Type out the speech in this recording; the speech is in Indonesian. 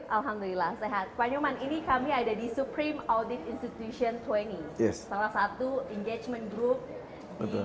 alhamdulillah sehat pak nyoman ini kami ada di supreme audit institution dua puluh salah satu engagement group di